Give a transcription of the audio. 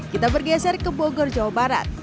kita bergeser ke bogor jawa barat